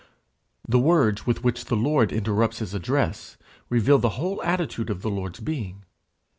The words with which the Lord interrupts his address reveal the whole attitude of the Lord's being.